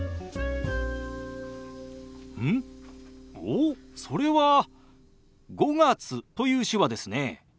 おおそれは「５月」という手話ですね。